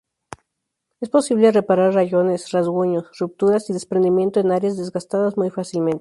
Es posible reparar rayones, rasguños, rupturas y desprendimientos en areas desgastadas muy fácilmente.